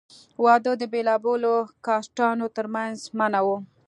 واده د بېلابېلو کاسټانو تر منځ منع وو.